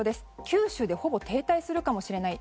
九州でほぼ停滞するかもしれない。